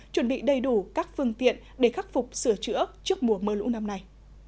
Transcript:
chuẩn bị đầy đủ các phương tiện để khắc phục sửa chữa trước mùa mưa lũ năm nay